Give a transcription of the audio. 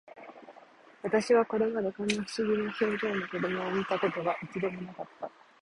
私はこれまで、こんな不思議な表情の子供を見た事が、一度も無かった